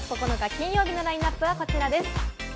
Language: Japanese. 金曜日のラインナップはこちらです。